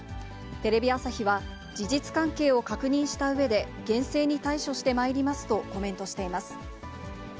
テレビ朝日は、事実関係を確認したうえで、厳正に対処してまいりますとコメントしています。